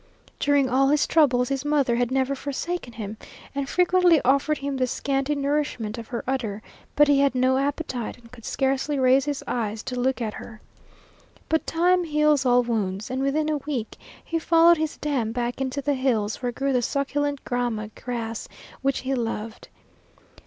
During all his troubles his mother had never forsaken him, and frequently offered him the scanty nourishment of her udder, but he had no appetite and could scarcely raise his eyes to look at her. But time heals all wounds, and within a week he followed his dam back into the hills where grew the succulent grama grass which he loved.